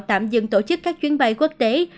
tạm dừng tổ chức các chuyến bay quốc tế